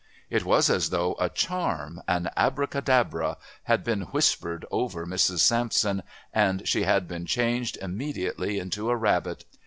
It was as though a charm, an Abracadabra, had been whispered over Mrs. Sampson and she had been changed immediately into a rabbit.